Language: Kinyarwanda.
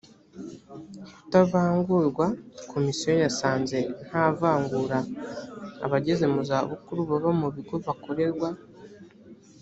kutavangurwa komisiyo yasanze nta vangura abageze mu zabukuru baba mu bigo bakorerwa